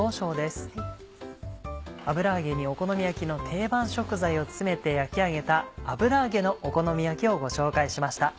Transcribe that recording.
油揚げにお好み焼きの定番食材を詰めて焼き上げた「油揚げのお好み焼き」をご紹介しました。